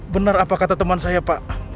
benar apa kata teman saya pak